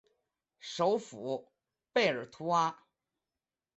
首府贝尔图阿。